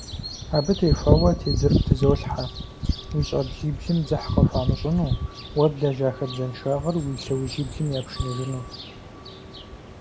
Абы теухуауэ тезыр птызолъхьэ: уи щӀэблиблым дзыхь къыхуамыщӏыну, уэ блэжьа хабзэншагъэр уи лъэужьиблым япшыныжыну.